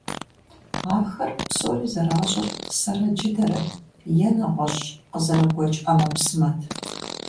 Ахэр псори зэращӀыр сэрэ джыдэрэт е нэгъуэщӀ къызэрыгуэкӀ Ӏэмэпсымэт.